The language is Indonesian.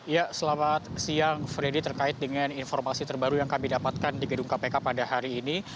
ya selamat siang freddy terkait dengan informasi terbaru yang kami dapatkan di gedung kpk pada hari ini